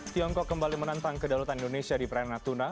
tiongkok kembali menantang kedaulatan indonesia di prairana tuna